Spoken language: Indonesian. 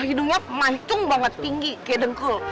hidungnya mancung banget tinggi kayak dengkul